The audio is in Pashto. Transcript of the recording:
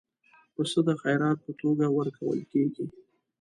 پسه د خیرات په توګه ورکول کېږي.